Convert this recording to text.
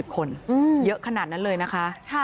คนเยอะขนาดนั้นเลยนะคะ